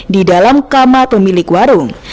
di dalam kamar pemilik warung